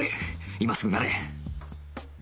今すぐ鳴れ！